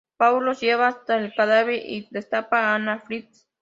Pau los lleva hasta el cadáver y destapa a Anna Fritz.